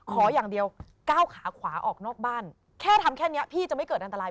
ขออย่างเดียวก้าวขาขวาออกนอกบ้านแค่ทำแค่นี้พี่จะไม่เกิดอันตราย